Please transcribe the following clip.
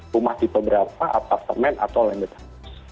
rumah tipe berapa apartemen atau lain lain